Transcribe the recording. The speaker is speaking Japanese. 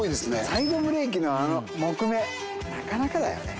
サイドブレーキのあの木目なかなかだよね。